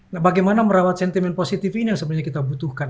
nah bagaimana merawat sentimen positif ini yang sebenarnya kita butuhkan